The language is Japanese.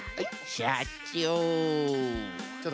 しゃちょう。